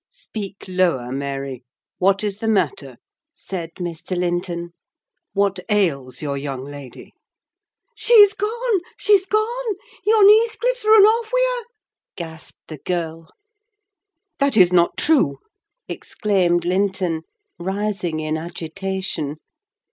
"Speak lower, Mary—What is the matter?" said Mr. Linton. "What ails your young lady?" "She's gone, she's gone! Yon' Heathcliff's run off wi' her!" gasped the girl. "That is not true!" exclaimed Linton, rising in agitation.